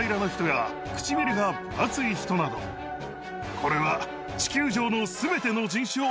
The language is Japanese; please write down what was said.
これは。